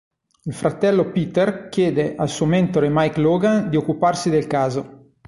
Il fratello Peter chiede al suo mentore Mike Logan di occuparsi del caso.